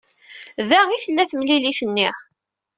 Da ay d-tella temlilit-nni.